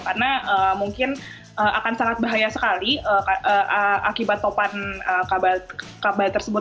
karena mungkin akan sangat bahaya sekali akibat topan kabar tersebut